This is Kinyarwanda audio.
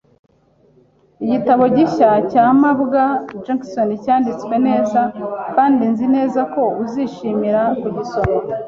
Igitabo gishya cya mabwa Jackson cyanditswe neza kandi nzi neza ko uzishimira kugisoma.